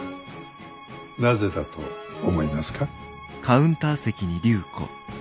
なぜだと思いますか？